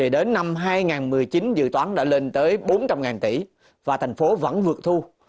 đến năm hai nghìn một mươi chín dự toán đã lên tới bốn trăm linh tỷ và thành phố vẫn vượt thu